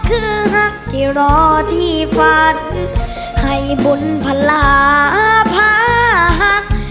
คือฮักที่รอที่ฝันให้บุญพลาพาหัก